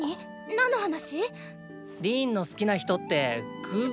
何の話⁉リーンの好きな人ってグー。